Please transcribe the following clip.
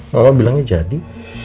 mama bilangnya jadi